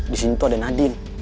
disini tuh ada nadine